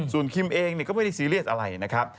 ส่วนคิมเองก็ไม่ได้ซีเรียสอะไรนะครับ